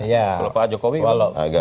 jadi pak jokowi agak pas